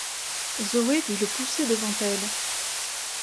Zoé dut le pousser devant elle.